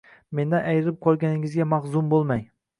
Mendan ayrilib qolganizga mahzun bo`lmang